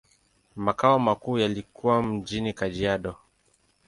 Makao makuu yalikuwa mjini Kajiado.